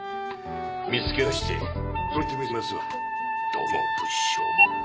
見つけ出して揃えてみせますわ動機も物証も。